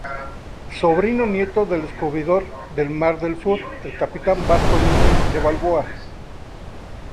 Sobrino nieto del descubridor del Mar del Sur, el capitán Vasco Núñez de Balboa.